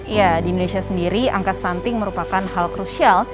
ya di indonesia sendiri angka stunting merupakan hal krusial